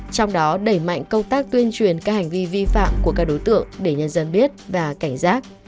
trong đó đẩy mạnh công tác tuyên truyền các hành vi vi phạm của các đối tượng để nhân dân biết và cảnh giác